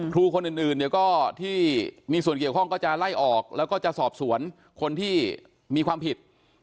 ครูคนอื่นเนี่ยก็ที่มีส่วนเกี่ยวข้องก็จะไล่ออกแล้วก็จะสอบสวนคนที่มีความผิด